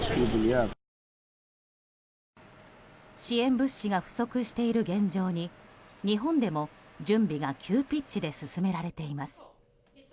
支援物資が不足している現状に日本でも、準備が急ピッチで進められています。